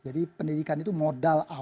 jadi pendidikan itu modal awal